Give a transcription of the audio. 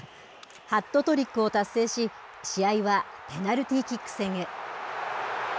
ハットトリックを達成し、試合はペナルティーキック戦へ。